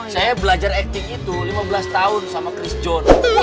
saya belajar acting itu lima belas tahun sama chris john